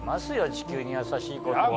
地球に優しいことは。